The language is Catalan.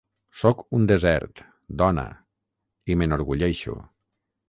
Soc un desert, dona, i me n'enorgulleixo.